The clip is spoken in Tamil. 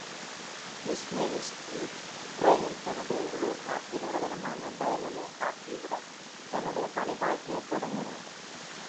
விஷ்னெவ்ஸ்கி உக்ரைனில் தன்னுடைய உள்ளூர் ஹாக்கி நிறுவனமான டைனமோ கார்கிவுடன் தன்னுடைய பணிவாழ்க்கையைத் தொடங்கினார்.